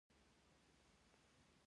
“تا زموږ له احساساتو سره لوبې کړې!